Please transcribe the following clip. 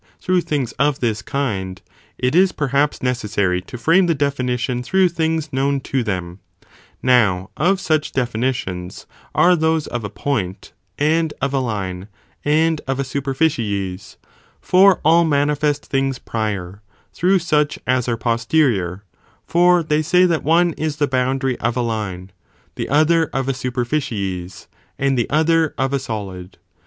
through things of this kind, it is perhaps neces sary to frame the definition through things known to them, Now of such definitions, are those of a point, and of a line, and of a superficies, for all manifest things prior, through such as are posterior, for they say that one is the boundary of a line, the other of a superficies, and the other of a solid.